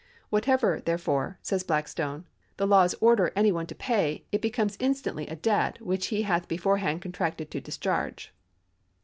" Whatever, therefore," says Blackstone,^ " the laws order any one to pay, that becomes instantly a debt which he hath beforehand contracted to discharge."